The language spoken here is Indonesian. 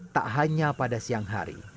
tak hanya pada siang hari